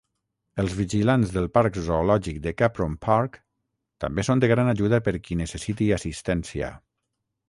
Els vigilants del parc zoològic de Capron Park també són de gran ajuda per qui necessiti assistència.